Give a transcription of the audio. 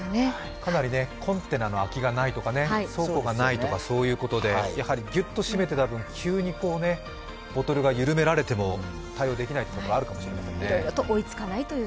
かなりコンテナの空きがないとか倉庫がないとかやはりギュッと締めてた分、急にボトルが緩められても対応できないというところはあるかもしれませんね。